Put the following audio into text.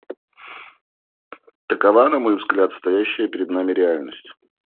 Такова, на мой взгляд, стоящая перед нами реальность.